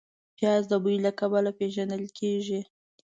پیاز د بوی له کبله پېژندل کېږي